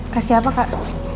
kasih apa kak